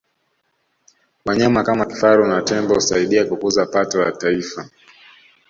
wanyama kama kifaru na tembo husaidia kukuza pato la taifa